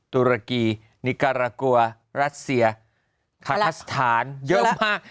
ตุรกีนิการากัวรัสเซียคาคสถานเยอะมาก